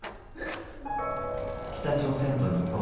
北朝鮮と日本